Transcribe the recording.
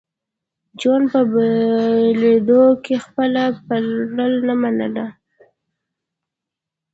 جون په بېلېدو کې خپله پړه نه منله